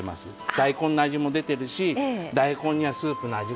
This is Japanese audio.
大根の味も出てるし大根にはスープの味が。